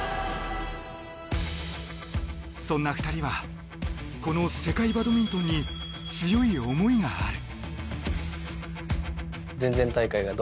そんな２人はこの世界バドミントンに強い思いがある。